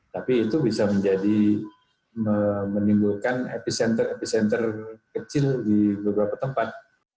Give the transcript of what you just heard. tapi itu bisa menjadi menimbulkan epicenter epicenter kecil di beberapa tempat